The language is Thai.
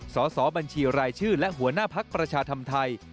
สอบบัญชีรายชื่อและหัวหน้าภักดิ์ประชาธรรมไทย